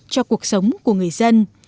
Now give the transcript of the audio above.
cho cuộc sống của người dân